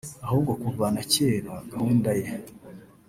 ahubwo kuva na cyera gahunda ye